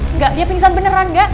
enggak dia pingsan beneran gak